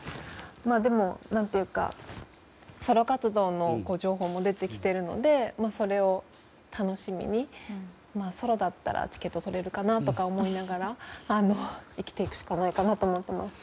でも、何というかソロ活動の情報も出てきているのでそれを楽しみにソロだったらチケット取れるかなとか思いながら、生きていくしかないかなと思っています。